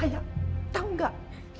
ayah tahu gak